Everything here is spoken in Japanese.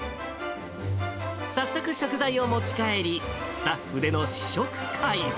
早速食材を持ち帰り、スタッフでの試食会。